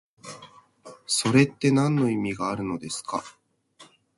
それってなんの意味があるのですか？